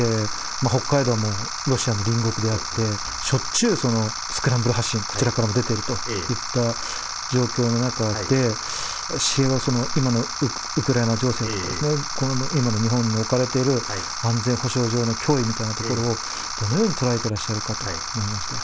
北海道もロシアの隣国であって、しょっちゅう、スクランブル発進、こちらからも出ているといった状況の中で、司令は、今のウクライナ情勢とか、今の日本の置かれている安全保障上の脅威みたいなところを、どのようにとらえてらっしゃるかと思いまして。